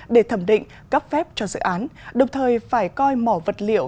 để thẩm định cấp phép cho dự án đồng thời phải coi mỏ vật liệu